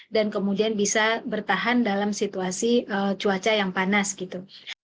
dan kemudian bisa bertahan dalam situasi cuaca yang panas gitu